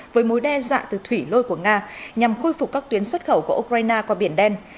với mối đe dọa từ thủy lôi của nga nhằm khôi phục các tuyến xuất khẩu của ukraine qua biển đen